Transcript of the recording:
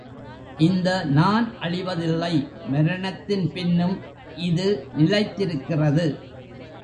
இந்த நான் அழிவதில்லை மரணத்தின் பின்னும் இது நிலைத்திருக்கிறது.